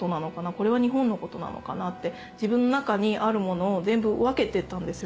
これは日本のことなのかなって自分の中にあるものを全部分けてったんですよ。